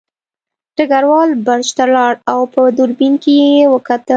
ډګروال برج ته لاړ او په دوربین کې یې وکتل